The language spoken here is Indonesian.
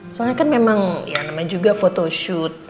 soalnya kan memang namanya juga foto shoot